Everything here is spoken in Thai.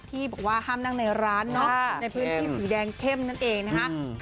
ที่บอกว่าห้ามนั่งในร้านเนาะในพื้นที่สีแดงเข้มนั่นเองนะคะ